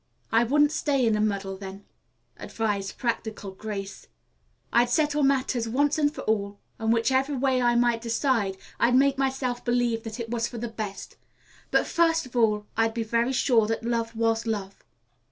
"I wouldn't stay in a muddle then," advised practical Grace. "I'd settle matters once and for all, and whichever way I might decide, I'd make myself believe that it was for the best. But first of all I'd be very sure that love was love."